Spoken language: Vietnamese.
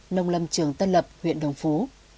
nông lâm trường tân lập huyện đồng phú